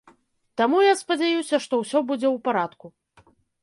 Таму я спадзяюся, што ўсё будзе ў парадку.